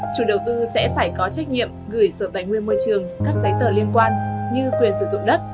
chủ đầu tư sẽ phải có trách nhiệm gửi sở tài nguyên môi trường các giấy tờ liên quan như quyền sử dụng đất